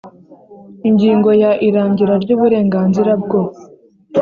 Ingingo ya Irangira ry uburenganzira bwo